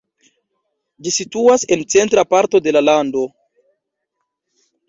Ĝi situas en centra parto de la lando.